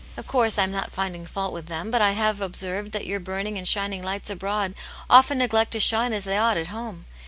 Of course, I am not finding fault with them,* but I have observed tliat your burning and shining lights abroad often neglect to shine as they ought at home.